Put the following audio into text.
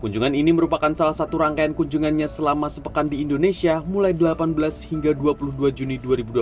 kunjungan ini merupakan salah satu rangkaian kunjungannya selama sepekan di indonesia mulai delapan belas hingga dua puluh dua juni dua ribu dua puluh